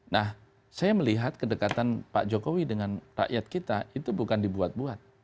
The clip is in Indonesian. nah saya melihat kedekatan pak jokowi dengan rakyat kita itu bukan dibuat buat